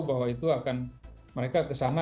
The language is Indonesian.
bahwa itu akan mereka ke sana